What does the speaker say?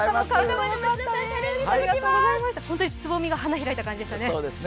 本当につぼみが花開いた感じでしたね。